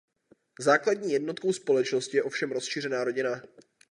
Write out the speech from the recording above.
Základní jednotkou společnosti je ovšem rozšířená rodina.